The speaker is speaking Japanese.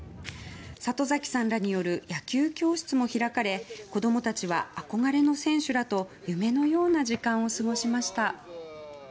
里崎さんらによる野球教室も開かれ子供たちは、憧れの選手らと夢のような時間を過ごしました。